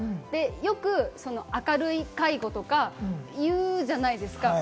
よく明るい介護とか言うじゃないですか。